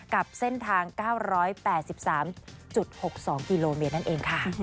กับเส้นทาง๙๘๓๖๒กิโลเมตรนั่นเองค่ะ